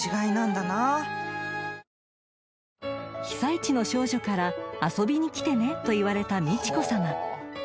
［被災地の少女から遊びに来てねと言われた美智子さま］